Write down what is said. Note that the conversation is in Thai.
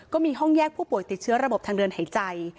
ก็มีห้องแยกผู้ป่วยติดเชื้อระบบทางเดินหายใจ